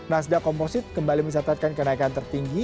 nasdaq komposit kembali mencatatkan kenaikan tertinggi